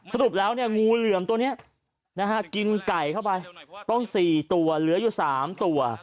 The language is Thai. สรุปแล้วงูเหลือมตัวนี้กินไก่เข้าไปต้อง๔ตัวเหลืออยู่๓ตัว